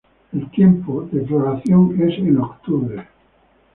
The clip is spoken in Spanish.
El tiempo de floración es en octubre.